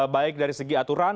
baik dari segi aturan